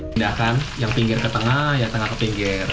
pindahkan yang pinggir ke tengah yang tengah ke pinggir